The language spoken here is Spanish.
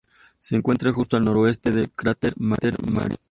Se encuentra justo al noreste del cráter Marinus.